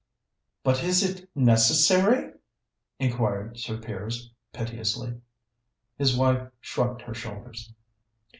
"But is it necessary?" inquired Sir Piers piteously. His wife shrugged her shoulders.